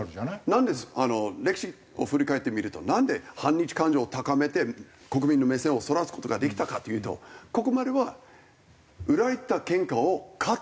なんで歴史を振り返ってみるとなんで反日感情を高めて国民の目線をそらす事ができたかというとここまでは売られたけんかを買った日本がいるからですね。